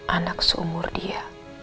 anak seumur dia